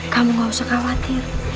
kamu gak usah khawatir